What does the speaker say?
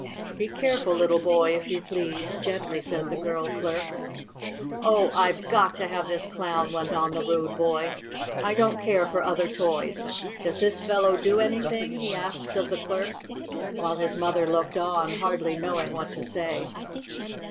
"Be careful, little boy, if you please," gently said the girl clerk. "Oh, I've got to have this Clown!" went on the rude boy. "I don't care for other toys. Does this fellow do anything?" he asked of the clerk, while his mother looked on, hardly knowing what to say.